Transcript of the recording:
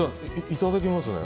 いただきますね。